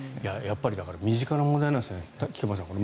身近な問題なんですね。